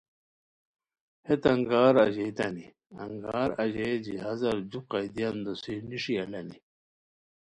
ہیت انگار اژیئیتانی انگار اژئیے جہازار جُو قیدیان دوسی نیݰی الانی